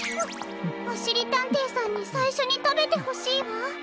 おしりたんていさんにさいしょにたべてほしいわ。